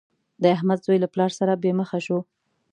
د احمد زوی له پلار سره بې مخه شو.